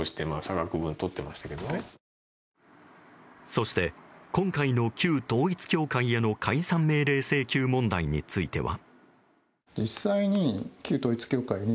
そして、今回の旧統一教会への解散命令請求問題については。